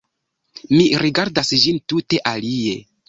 Mi rigardas ĝin tute alie.